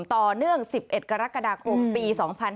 ต่อเนื่อง๑๑กรกฎาคมปี๒๕๕๙